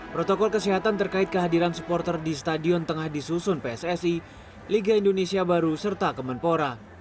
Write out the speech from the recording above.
protokol kesehatan terkait kehadiran supporter di stadion tengah disusun pssi liga indonesia baru serta kemenpora